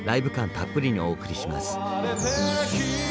たっぷりにお送りします。